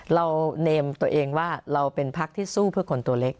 เนมตัวเองว่าเราเป็นพักที่สู้เพื่อคนตัวเล็ก